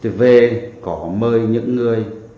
thì về có mời những người